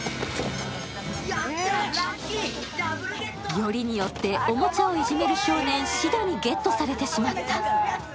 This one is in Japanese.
よりによって、おもちゃをいじめる少年シドにゲットされてしまった。